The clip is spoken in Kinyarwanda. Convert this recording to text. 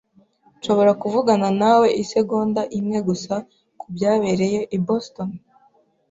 Nshobora kuvugana nawe isegonda imwe gusa kubyabereye i Boston?